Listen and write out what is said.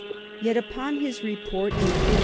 Yet upon his Report, in 1530.